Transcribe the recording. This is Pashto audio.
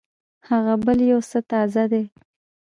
هغه بل يو څه تازه دی.